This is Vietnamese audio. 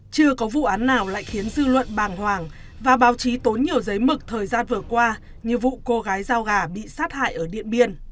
chưa có vụ án nào lại khiến dư luận bàng hoàng và báo chí tốn nhiều giấy mực thời gian vừa qua như vụ cô gái giao gà bị sát hại ở điện biên